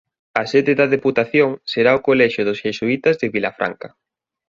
A sede da Deputación será o Colexio dos Xesuítas de Vilafranca.